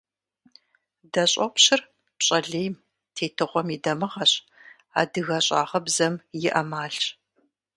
Дэ щӀопщыр пщӀэ лейм, тетыгъуэм и дамыгъэщ, адыгэ щӀагъыбзэм и Ӏэмалщ.